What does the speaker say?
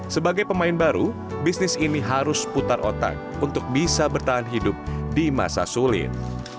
sebagai pemain baru bisnis ini harus putar otak untuk bisa bertahan hidup di masa sulit